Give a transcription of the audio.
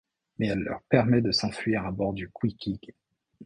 Mais elle leur permet de s'enfuir à bord du Queeqeg.